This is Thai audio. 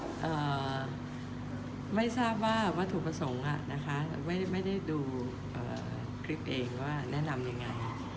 ก็ไม่ทราบว่าถูกประสงค์นะคะไม่ได้ดูคลิปเองว่าแนะนำยังไง